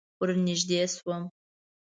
ور نږدې شوم.